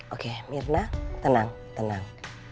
oke mirna tenang